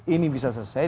ini bisa selesai